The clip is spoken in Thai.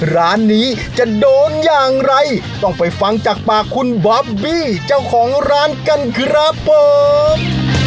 ร้านนี้จะโดนอย่างไรต้องไปฟังจากปากคุณบอบบี้เจ้าของร้านกันครับผม